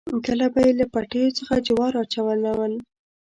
کله به یې له پټیو څخه جوار راچلول.